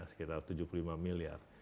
sekitar tujuh puluh lima miliar